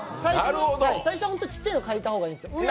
最初は本当にちっちゃいの書いた方がいいです「う